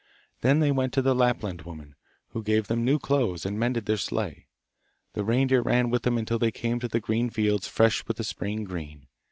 Then they went to the Lapland woman, who gave them new clothes and mended their sleigh. The reindeer ran with them until they came to the green fields fresh with the spring green.